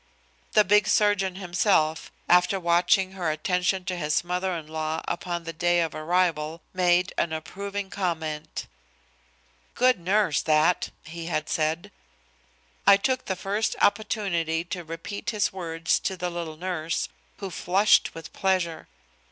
The big surgeon himself, after watching her attention to his mother in law upon the day of arrival, made an approving comment. "Good nurse, that," he had said. I took the first opportunity to repeat his words to the little nurse, who flushed with pleasure.